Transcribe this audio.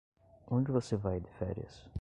Onde você vai de férias?